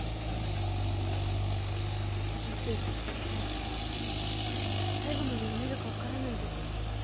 私最後まで読めるか分からないです